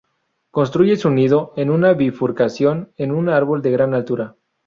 Construye su nido en una bifurcación en un árbol de gran altura.